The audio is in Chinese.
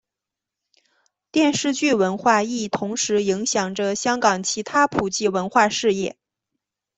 电视剧文化亦同时影响着香港其他普及文化事业。